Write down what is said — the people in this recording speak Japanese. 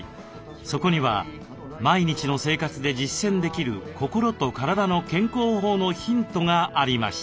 そこには毎日の生活で実践できる心と体の健康法のヒントがありました。